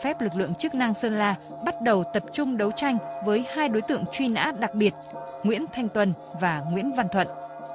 phép lực lượng chức năng sơn la bắt đầu tập trung đấu tranh với hai đối tượng chuyên án đặc biệt nguyễn thanh tuần và nguyễn văn thuận